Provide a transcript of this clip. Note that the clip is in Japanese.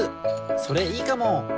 それいいかも！